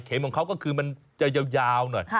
เข็มของเค้าก็คือมันจะยาวหน่อย